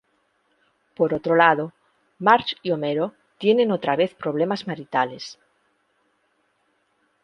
Por otro lado, Marge y Homero tienen otra vez problemas maritales.